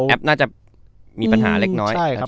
แอปน่าจะมีปัญหาเล็กน้อย